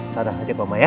sama sama ajak mama ya